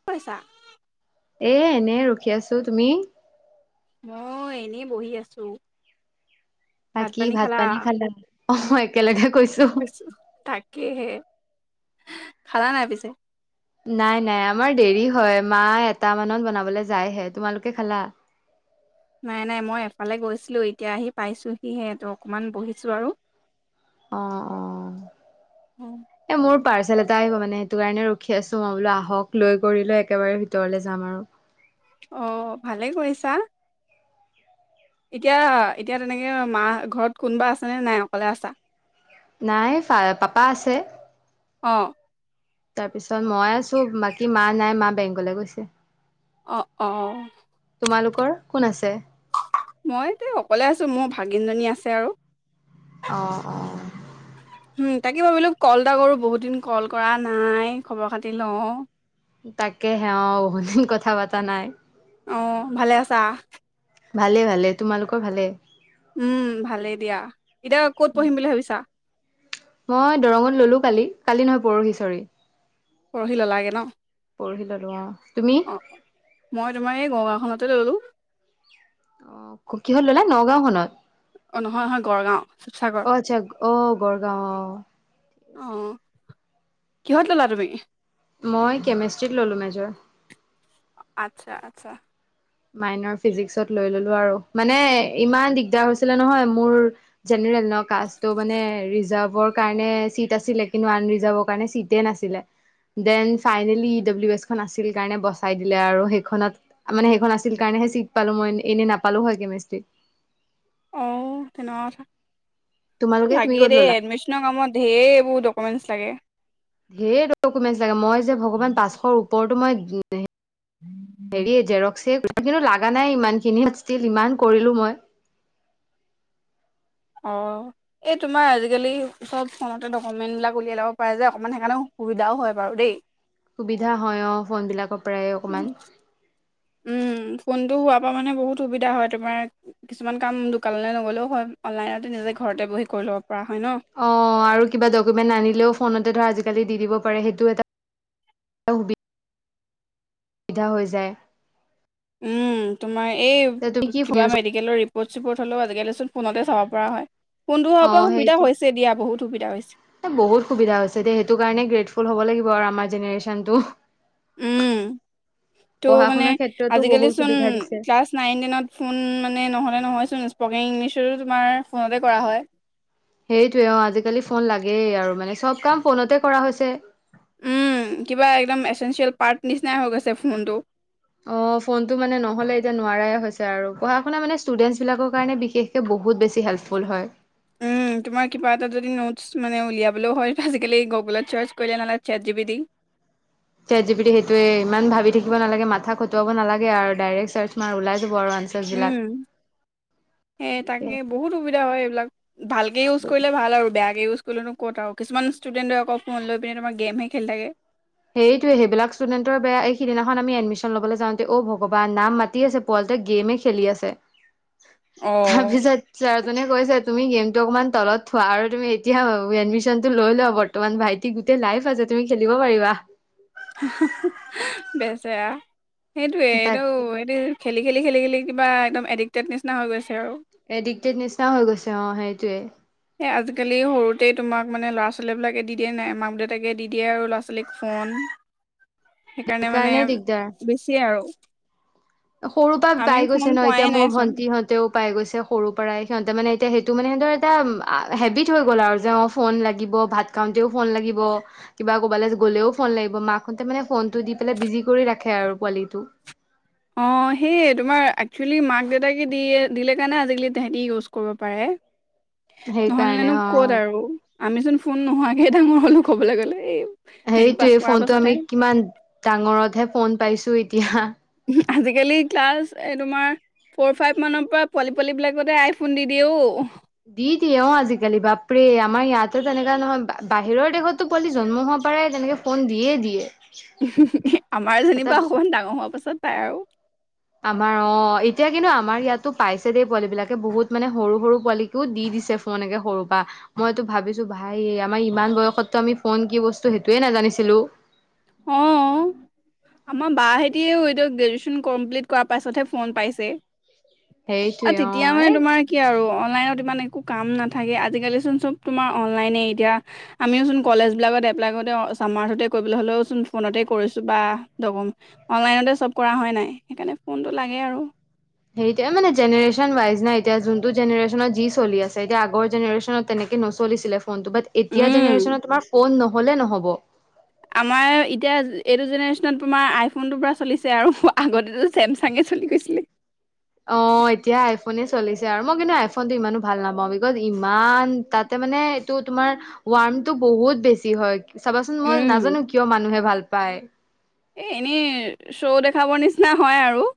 কি কৰিছা? এ এনে ৰখি আছো তুমি মই এনেই বহি আছোঁ। বাকী ভাত পানী খালা অ একেলগে কৈছোঁ। কিহে খালা নাই পিছে নাই নাই আমাৰ দেৰি হয় মা এটা মানত বনাবলৈ যাইহে তোমালোকে খালা নাই নাই মই এফালে গৈছিলো এতিয়া আহি পাইছোহিহে ত অকণমান বহিছো আৰু অ, অ, এ মোৰ পাৰ্চেল এটা আহিব মানে সেইটো কাৰণে ৰখি আছো মই বোলো আহক লৈ কৰি লৈ একেবাৰে ভিতৰলৈ যাম আৰু অ ভালে কৰিছা এতিয়া এতিয়া তেনেকে মা ঘৰত কোনোবা আছে নে নাই অকলে আছা নাই ফা পাপা আছে অ তাৰ পিছত মই আছো বাকী মা নাই মা বেংকলে গৈছে। অঁ, অঁ, তোমালোকৰ কোন আছে? মই যে অকলে আছো মোৰ ভাগিনজনী আছে আৰু অ, অ, উম তাকে ভাবিলোঁ কল এটা কৰো বহুত দিন কল কৰা নাই খবৰ খাতি লওঁ তাকে হে অ বহুত দিন কথা পতা নাই। অ ভালে আছা। ভালে ভালে তোমালোকৰ ভালে উম ভালেই দিয়া এতিয়া ক'ত পঢ়িম বুলি ভাবিছা মই দৰঙত ললো কালি কালি নহয় পৰহি ছৰি পঢ়ি ললাগে ন পঢ়ি ললো অ তুমি অ মই তোমাৰ এই গড়গাঁওখনতে ল'লো- কি হল ল'লে নগাঁওখননত- অ নহয় নহয় গড়গাঁও শিৱসাগৰ অ আচ্ছা আহ গড়গাঁও আহ- অ কিহত ললা তুমি- মই কেমেষ্ট্ৰিত ল'লো মেজৰ আচ্ছা আচ্ছা মাইনৰ ফিজিক্সত লৈ ললো আৰু মানে ইমান দিগদাৰ হৈছিলে নহয় মোৰ জেনেৰেল ন কাষ্টটো মানে ৰিজাৰ্ভৰ কাৰণে চিট আছিলে কিন্তু আনৰিজাৰ্ভৰ কাৰণে চিট ছিটে নাছিলে দেন ফাইনেলি ই ডব্লিউ এছখনন আছিল কাৰণে বচাই দিলে আৰু সেইখনত মানে সেইখন আছ কাৰণেহে ছিট পালো মই এনে নাপালো হয় কেমেস্ত্ৰীত অঁ তেনেকুৱা কথা তোমালোকে তুমি লাগে ক'ত দেই ল'লা এডমিচনৰ কামত ঢেৰবোৰ ডকুমেন্টচ লাগে। ধেইৰ ডকুমেন্ট লাগে মই যে ভগৱান পাঁচশৰ ওপৰতো মই হেৰিয়ে জেৰক্সে কিন্তু লগা নাই ইমান খিনি ষ্টিল ইমান কৰিলোঁ মই অঁ, এই তোমাৰ আজিকালি চব ফোনতে ডকুমেণ্ট বিলাক উলিয়াই লাব পাৰে যে অকমান সেইকাৰণে অসুবিধাও হয় বাৰু দেই। সুবিধা হয়ঁ অ ফোন বিলাকক। উ উমঁ ফোনটো হোৱাৰ পৰা মানে বহুত সুবিধা হয় তোমাৰ- কিছুমান কাম দোকানলৈ নগলেও হয় অনলাইনতে নিজে ঘৰতে বহি কৰি ল'ব পৰা হয় ন। অঁ আৰু কিবা ডকুমেণ্ট আনিলেও ফোনতে ধৰ আজিকালি দি দিব পাৰে সেইটো এটা- এ সুবি সুবিধা হৈ যায়। উমঁ তোমাৰ এই তে তুমি কি ফোন কিবা ইউজ মাৰিদিক। কেলৌ আজিকালি ৰিপৰ্ট চিপৰ্ট হ'লেও আজিকালি ফোনতে চাব পৰা হয়ঁ। কোনতো অ হব সুবিধা সেইটো হৈছে দিয়া বহুত সুবিধা হৈছে। এ বহুত সুবিধা হৈছে দে সেইটো কাৰণে গ্ৰেটফুল হ'ব লাগিব আৰু আমাৰ জেনেৰেশ্যনতটো। উমঁ ত' পঢ়া মানে শুনাৰ ক্ষেত্ৰতো বহুত আজিকালিচোন সুবিধা দিছে ক্লাছ- নাইন টেনত ফোন মানে নহ'লে নহয়চোন স্পকিং ইংলিছতো তোমাৰ ফোনতে কৰা হয়। সেইটোৱে অ আজিকালি ফোন লাগেই আৰু মানে চব কাম ফোনতে কৰা হৈছে। উমঁ কিবা একদম এচেঞ্চিয়েল পাৰ্ট নিচিনাই হৈ গৈছে ফোনটো। অঁ ফোন টো মানে নহ'লে এতিয়া নোৱাৰাই হৈছে আৰু পঢ়া শুনা মানে ষ্টুডেন্টছ বিলাকৰ কাৰণে বিশেষ- সে বহুত বেছি হেল্পফুল হয়। উম, [inaudible] তোমাৰ কিবা এটা যদি নোটছ মানে উলিয়াবলৈও হয় আজিকালি গুগুলত চাৰ্চ কৰিলে নালাগে চেট জিবি দি- চেট জিবি দা সেইটোৱে ইমান ভাবি থাকিব নালাগে মাথা খটুৱাব নালাগে আৰু ডাইৰেক্ট চাৰ্চ মাৰ ওলাই যাব আৰু আন- উমঁ সেই তাকে বহুত সুবিধা হয় এইবিলাক। ভালকে ইউজ কৰিলে ভাল আৰু বেয়াকে ইউজ- সলো ক'ত আৰু কিছুমান ষ্টুেদেটে আকৌ ফোন লৈ পিনে তোমাৰ গেমহে খেলি থাকে। সেইটয়ে সেইবিলাক ষ্টুডেণ্টৰ বেয়া এই সিদিনাখন আমি এডমিশন লবলৈ যাওঁতে অ ভগৱান নাম মাতি আছে। পোৱালিটোয়ে গেমে খেলি আছে অ তাৰপিছত- ছাৰজনে কৈছে তুমি গেমতটো অকণমান তলত থোৱা আৰু তুমি এতিয়া এডমিশ্যনটো লৈ লোৱা বত- তোমাৰ ভাইটি গোটেই লাইভ আছে তুমি খেলিব পাৰিবা। সুহহহ বেচেৰা সেইটোৱে এইটো তাকে এইটো। খেলি খেলি খেলি খেলি কিবা একদম এডিক্টেড নিচিনা হৈ গৈছে আৰু। এডিক্টেড নিচিনা হৈ গৈছে অঁ সেইটয়ে। এই আজিকালি সৰুতেই তোমাক মানে ল'ৰা ছোৱালীবিলাকে দি দিয়ে নাই মাক দেউতাকে দি দিয়ে আৰু ল'ৰা ছোৱালীক ফোন। [inaudible] সেইকাৰণে মানে বেছি আৰু। সৰু পৰা আমি পাই ফোন গৈছে ন পোৱাই এতিয়া মোৰ নাইচোন ভন্টি হত। তেও পাই গৈছে সৰুৰ পৰাই সিহঁতে মানে এতিয়া, সেইটো মানে সিহঁৰ এটা হেবিট হৈ গ'ল আৰু যে অঁ। ফোন লাগিব ভাত খাওঁতেও ফোন লাগিব। কিবা ক'বালৈ গ'লেও ফোন লাগিব, মাকহতে মানে ফোনটো দি পেলাই বিজি কৰি ৰাখে আৰু পোৱালিটো। অঁ সেই তোমাৰ একচুৱেলি মাক দেউতাকে দিয়ে, দিলে কাৰণে আজিকালি তাহাতি ইউজ কৰিব পাৰে। [unintelligible] সেইকাৰণে নহলেনো অ ক'ত আৰু আমিচোন ফোন নোহোৱাকে ডাঙৰ হলোঁ, কবলৈ গ'লে এই- মেট্ৰিক পাছ সেইটোয়ে কৰাৰ ফোনটো আমি পাছতহে কিমান ডাঙৰতহে ফোন পাইছোঁ এতিয়া। ওহো আজিকালি, ক্লাছ এ তোমাৰ। ফ'ৰ ফাইভ মানৰ পৰা পোৱালি পোৱালীবিলাকতে আইফোন দি দিয়ে অও'। দি দিয়ে অও আজিকালি বাপৰে আমাৰ ইয়াতো তেনেকুৱা নহয়, বাহিৰৰ দেশতো পোৱালি জন্ম হোৱা পৰাই তেনেকে- ফোন দিয়ে দিয়ে। ওহোহ আমাৰ এটা যেনিবা অকমান ডাঙৰ হোৱা পাছত পায় আৰু। আমাৰ অ, এতিয়া কিন্তু আমাৰ ইয়াতো পাইছে দেই, পোৱালী বিলাকে বহুত মানে সৰু সৰু পোৱালি দি দিছে ফোনএকে সৰুৰ পৰা। মইতো ভাবিছো ভাই, আমাৰ ইমান বয়সততো আমি ফোন কি বস্তু সেইটোৱেই নাজানিছিলো। অহ, আমাৰ বাহতিও এই গ্ৰেজুৱেশ্যন কমপ্লিট কৰাৰ পাছতহে ফোন পাইছে। আৰু সেইটোয়ে অ তেতিয়া মানে এই তোমাৰ কি আৰু, অনলাইনত ইমান একো কাম নাথাকে, আজিকালিচোন চব তোমাৰ অনলাইনে এতিয়া। আমিওচোন কলেজ বিলাকত এপ্লাই কৰোঁতে, চামাৰ্চতে কৰিবলৈ হ'লেও চোন ফোনতে কৰিছোঁ বা অনলাইনতে চব কৰা হয় নাই, সেইকাৰণে ফোনটো লাগে আৰু। সেইটোৱে, মানে জেনেৰেচনৱাইজ না, এতিয়া যোনটো জেনেৰেচনত যি চলি আছে, এতিয়া আগৰ জেনেৰেচনত তেনেকে নচলিছিলে ফোনটো, বাট এতিয়া উম জেনেৰেশ্যনত তোমাৰ ফোন নহ'লে নহ'ব। আমাৰ, এতিয়া এইটো জেনেৰেশ্যনত তোমাৰ আইফোনটো পুৰা চলিছে আৰু আগতেটো চেমচাঙে চলি গৈছিলে। অ', এতিয়া আইফোনে চলিছে আৰু মই কিন্তু আইফোন টো ইমানো ভাল নাপাওঁ, বিকজ ইমান তাত ত' মানে এইটো তোমাৰ, ৱাৰ্মটো বহুত বেছি হয়। চাবাচোন, মই নাজানো উম কিয় মানুহে ভাল পায়। এই এনেই, শ্ব' দেখাবৰ নিচিনা হয় আৰু।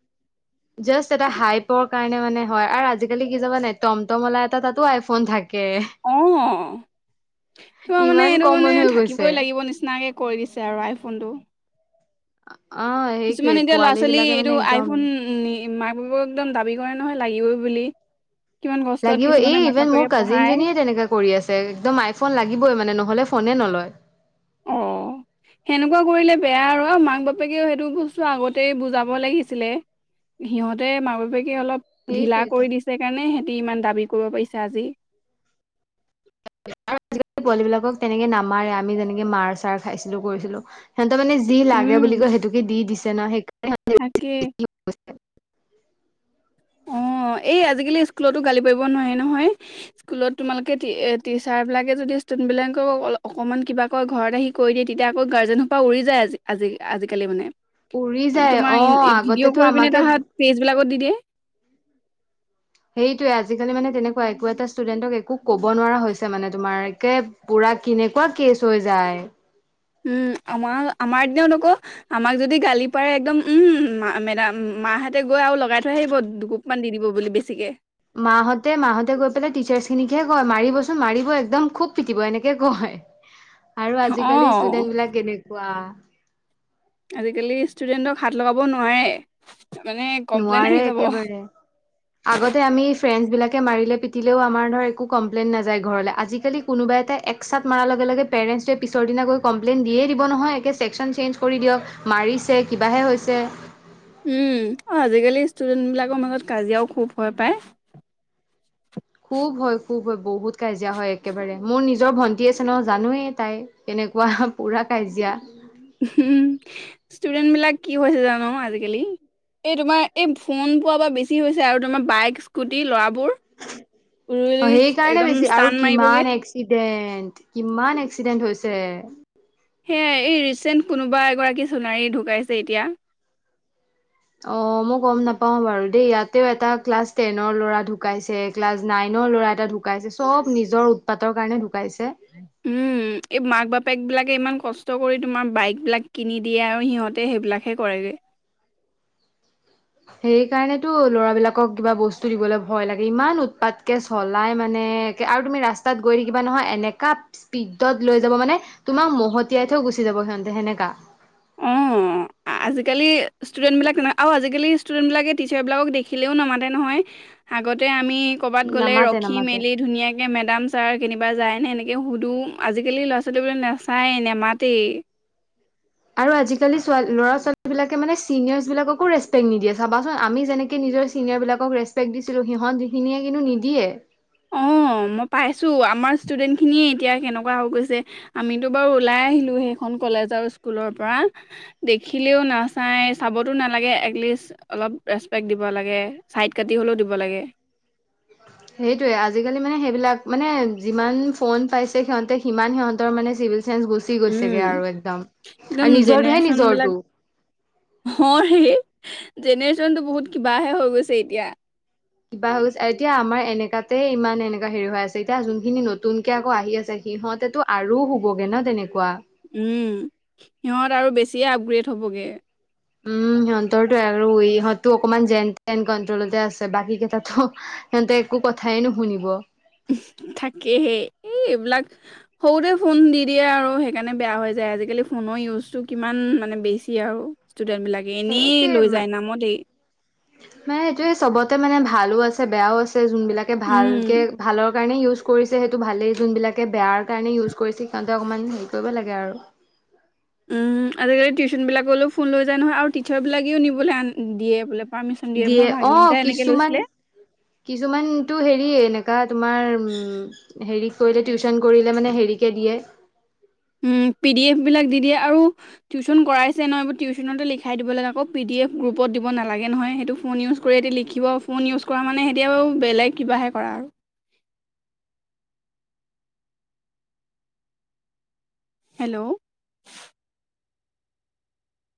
জাষ্ট এটা হাইপৰ কাৰণে মানে হয় আৰু আজিকালি কি চাবা নাই, টমটমৱালা এটা তাতো আইফোন থাকে। অ', তোমাৰ মানে ইমান এইটো মানে, কমন হৈ গৈছে থাকিবই লাগিব নিচিনাকে কৰি দিছে আৰু আইফোনটো। অ সেইটোৱে কিছুমান এতিয়া ল'ৰা পোৱালী ছোৱালী বিলাকে মানে এইটো একদম আইফোন, মাক বাপেকক একদম দাবী কৰে নহয়, লাগিবই বুলি। কিমান কষ্টত লাগিব, কিছুমানে এই মাক ইভেন, মোৰ বাপেকে কাজিন পঢ়ায় জনীয়ে তেনেকা কৰি আছে, একদম আইফোন লাগিবই মানে, নহ'লে ফোনে নলয়। অ। [inaudible] সেনেকুৱা কৰিলে বেয়া আৰু মাক বাপেকেও সেইটো বস্তু আগতেই বুজাব লাগিছিলে। সিহঁতে মাক বাপেকে অলপ, ঢিলা সেইটোৱেটো কৰি দিছে কাৰণে সিহঁতি ইমান দাবী কৰিব পাৰিছে আজি। আজিকালি পোৱালী বিলাকক তেনেকে নামাৰে, আমি যেনেকে মাৰ চাৰ খাইছিলোঁ, কৰিছিলোঁ। সিহঁতৰ মানে যি লাগে বুলি উম কয়, সেইটোকে দিছে ন' সেইকাৰণ তাকে। অ', এই আজিকালি স্কুলতো গালি পাৰিব নোৱাৰে নহয়। স্কুলত তোমালোকে টিচাৰ বিলাকে যদি, ষ্টুডেন্ট বিলাকক অকমান কিবা ঘৰত আহি কৈ দিয়ে তেতিয়া, আকৌ গাৰ্জেনসোপা উৰি যায় আজি-আজি আজিকালি মানে। উৰি এই, যায় তোমাৰ অ ভিডিঅ' আগতেতো কৰি পিনে আমাকে তাৰ পিছত পেজ বিলাকত দি দিয়ে। সেইটোৱে আজিকালি মানে তেনেকুৱাই, একো এটা ষ্টুডেণ্টক একো ক'ব নোৱাৰা হৈছে মানে তোমাৰ, একে পুৰা, কেনেকুৱা কেচ হৈ যায়। উম, আমাৰ-আমাৰ দিনত আকৌ আমাক যদি গালি পাৰে একদম উম, মেডাম মাহঁতে গৈ আৰু লগাই থৈ আহিব, দুু কুপ, মান দি দিব বুলি বেছিকে। মাহঁতে, মাহঁতে গৈ পেলাই টিচাৰ্চ খিনিকহে কয়, মাৰিবচোন মাৰিব একদম খুব পিটিব, এনেকে কয়। আৰু অ আজিকালি ষ্টুডেন্ট বিলাক কেনেকুৱা? আজিকালি ষ্টুডেন্টক হাত লগাব নোৱাৰে মানে কমপ্লেইন নোৱাৰে আহি যাব। একেবাৰে আগতে আমি ফ্ৰেণ্ডছ বিলাকে মাৰিলে পিটিলেও আমাৰ ধৰ একো কমপ্লেইন নাযায় ঘৰলে। আজিকালি কোনোবা এটাই একচাট মাৰা লগে-লগে পেৰেণ্টছ ডে পিছদিনা গৈ কমপ্লেয়েন দিয়েই দিব নহয় একে চেকচন চেনজ কৰি দিয়ক, মাৰিছে কিবাহে হৈছে। উম, অ' আজিকালি ষ্টুডেন্ট বিলাকৰ মাজত কাজিয়াও খুব হয় পায়। খুব হয়, খুব হয় বহুত কাজিয়া হয় একেবাৰে। মোৰ নিজৰ ভণ্টি আছে নহয় জানোৱেই তাই। তেনেকুৱা পুৰা কাজিয়া। উমঁ' ষ্টুডেন্ট বিলাক কি হৈছে জানো আজিকালি। এই তোমাৰ এই ফোন পোৱা বা বেছি হৈছে আৰু তোমাৰ বাইক স্কুটি ল'ৰাবোৰ। অঁ' উৰুলি সেইকাৰণে একদম বেছি আৰু টান মাৰিবগে কিমান এক্স এক্সিডেণ্ট কিমান এক্সিডেণ্ট হৈছে। সেয়াই, এই ৰিচেণ্ট কোনোবা এগৰাকী সোণাৰী ঢুকাইছে এতিয়া। অঁ' মই গম নাপাও বাৰু দেই, ইয়াতেও এটা ক্লাছ টেনৰ ল'ৰা ঢুকাইছে। ক্লাছ নাইনৰ ল'ৰা এটা ঢুকাইছে, চ'ব নিজৰ উৎপাতৰ কাৰণে ঢুকাইছে। উম এই মাক বাপেক বিলাকে ইমান কষ্ট কৰি তোমাৰ বাইকবিলাক কিনি দিয়ে আৰু সিহঁতে সেইবিলাকহে কৰেগে। সেই কাৰণেতো ল'ৰাবলাকক কিবা বস্তু দিবলৈ ভয় লাগে। ইমান উৎপাতকে চলাই মানে। আৰু তুমি ৰাস্তাত গৈ থাকিবা নহয় এনেকা স্পীডত লৈ যাব মানে তোমাক মহতিয়াই থৈ গুচি যাব সিহঁতে সেনেকা। অ আজিকালি ষ্টুডেন্ট বিলাক আজিকালি ষ্টুডেন্ট বিলাকে টিচাৰ বিলাকক দেখিলেও নমাতে নহয়। আগতে আমি কৰ'বাত গ'লে নামাতে ৰখি নামাতে মেলি ধুনীয়াকে কে মেডাম ছাৰ কেনিবা যায় নে এনেকে সুধো। আজিকালি ল'ৰা ছোৱালীবোলে নাচায় নেমাতেই। আৰু আজিকালি চো, ল'ৰা ছোৱালী বিলাকে মানে চিনিয়ৰচ বিলাককো ৰেছপেক্ট নিদিয়ে চাবাচোন। আমি যেনেকে নিজৰ চিনিয়ৰবিলাকক ৰেচপেক্ট দিছিলোঁ। সিহঁত সিখিনিয়ে কিন্তু নিদিয়ে। অঁ' মই পাইছো আমাৰ ষ্টুডেন্ট খিনিয়ে এতিয়া কেনেকুৱা হৈ গৈছে। আমিতো বাৰু ওলাই আহিলো সেইখন কলেজ আৰু স্কুলৰ পৰা। দেখিলেও নাচাই, চাবতো নালাগে একলিষ্ট অলপ ৰেচপেক্ট দিব লাগে, ছাইড কাটি হ'লেও দিব লাগে। সেইটয়ে, আজিকালি মানে সেইবিলাক মানে যিমান ফোন পাইছে সিহঁতে সিমান সিহঁতৰ মানে চিভিল চেন্স বস গুচি গৈছেগে উম, আৰু একদম একদম আৰু নিজৰটোহে নিজৰটো। অঁ' এই জেনেৰেছন টো বহুত কিবাহে হৈ গৈছে এতিয়া। কিবা হৈ গৈছে এতিয়া আমাৰ এনেকাতে ইমান এনেকা হেৰি হৈ আছে। এতিয়া যোনখিনি নতুন কে আকৌ আহি আছে সিহঁতেতো আৰু হ'বলৈ ন' তেনেকুৱা। উমঁ' সিহঁত আৰু বেছিয়ে আপগ্ৰেড হ'বগে। উমঁ' সিহঁতৰটো আৰু ইহঁতো অকনমান যেন তেন কন্ট্ৰলতে আছে বাকী কেইটাতো সিহঁতে একো কথাই নুশুনিব। থাকেহে, এই এইবিলাক সৰুতে ফোন দি দিয়ে আৰু সেইকাৰণে বেয়া হৈ যায়। আজিকালি ফোনৰ ইউজটো কিমান মানে বেছি আৰু। স্তুদেন্ত বিলাক। সেইতোৱে মানে। মানে এইটোয়ে চবতে মানে ভালো আছে বেয়াও আছে। যোনবিলাকে উম ভালকে ভালৰ কাৰণেই ইউজ কৰিছে সেইটো ভালেই। যোনবিলাকে বেয়াৰ কাৰণে ইউজ কৰিছে সিহঁতে অকণমান হেৰি কৰিব লাগে আৰু। উমঁ' আজিকালি টিউচন বিলাকলৈও ফোন লৈ যায় নহয় আৰু টিচাৰ বিলাকেও নিবলৈ আন দিয়ে বোলে। পাৰ্মিশন দিয়ে। মোৰ ভাগিন এটাই এনেকে লৈছিলে। কিছুমানটো হেৰিয়ে এনেকুৱা তোমাৰ হেৰি কৰিলে টিউচন কৰিলে মানে হেৰিকে দিয়ে। উমঁ' পিডিএফ বিলাক দি দিয়ে আৰু টিউচন কৰাইছে নহয়, এইবোৰ টিউচনতে লিখাই দিব লাগে। আকৌ পিডিএফ গ্ৰুপত দিব নালাগে নহয়। সেইটো ফোন ইউজ কুৰে দি লিখিব, ফোন ইউজ কৰা মানে সিহঁতে আৰু বেলেগ কিবাহে কৰা আৰু। Hello.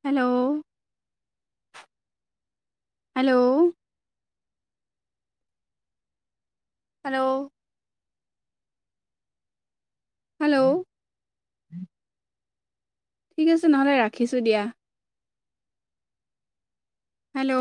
Hello. Hello. Hello. Hello. ঠিক আছে নহলে, ৰাখিছোঁ দিয়া। হেল্ল।